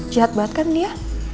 jahat banget kan dia